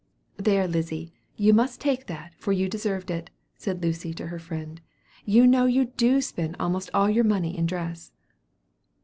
"There, Lizzy, you must take that, for you deserved it," said Lucy to her friend. "You know you do spend almost all your money in dress."